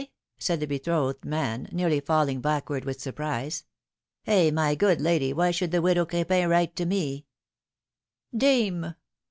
said the betrothed man, nearly falling backward with surprise ; eh ! my good lady, why should the widow Crepin write to me?'^ ^^Dame!